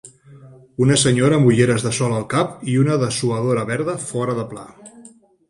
Una senyora amb ulleres de sol al cap i una dessuadora verda fora de pla.